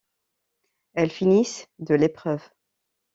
Elles finissent de l'épreuve.